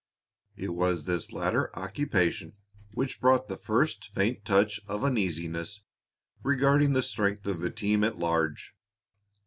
It was this latter occupation which brought the first faint touch of uneasiness regarding the strength of the team at large.